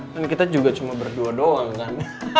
kan kita juga cuma berdua doang kan